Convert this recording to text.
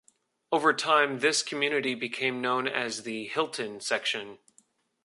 Over time, this community became known as the Hilton section.